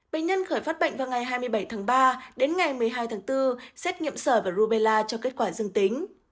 bệnh nhân khởi phát bệnh vào ngày hai mươi bảy tháng ba đến ngày một mươi hai tháng bốn xét nghiệm sởi và rubella cho kết quả dương tính